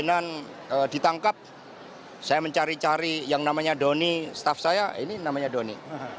kemungkinan ditangkap saya mencari cari yang namanya doni staff saya ini namanya doni